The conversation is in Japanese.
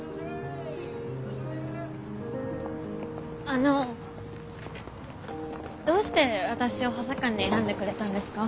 あのどうして私を補佐官に選んでくれたんですか？